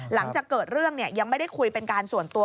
หลังจากเกิดเรื่องยังไม่ได้คุยเป็นการส่วนตัว